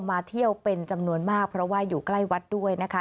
มาเที่ยวเป็นจำนวนมากเพราะว่าอยู่ใกล้วัดด้วยนะคะ